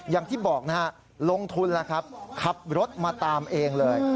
อย่างที่บอกลงทุนนะครับขับรถมาตามเองเลย